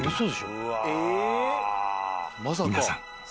［皆さん。